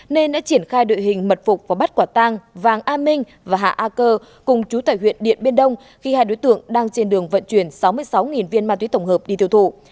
nên đã triển khai đội hình mật phục và bắt quả tang vàng a minh và hạ a cơ cùng chú tài huyện điện biên đông khi hai đối tượng đang trên đường vận chuyển sáu mươi sáu viên ma túy tổng hợp đi tiêu thụ